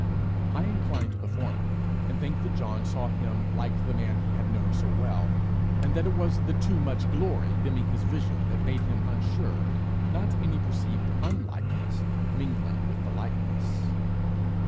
I incline to the former, and think that John saw him like the man he had known so well, and that it was the too much glory, dimming his vision, that made him unsure, not any perceived unlikeness mingling with the likeness.